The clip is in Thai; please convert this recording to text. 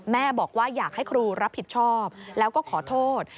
แม่บอกว่าอยากให้ครูรับผิดชอบแล้วก็ขอโทษ